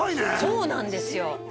そうなんですよ